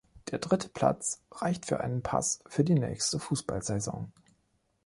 Der dritte Platz reicht für einen Pass für die nächste Fußballsaison.